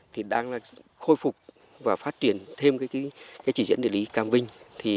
thì đang khôi phục và phát triển thêm chỉ diễn địa lý cam vinh